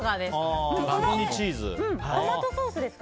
トマトソースですか。